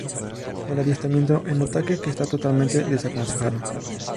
El adiestramiento en ataque está totalmente desaconsejado.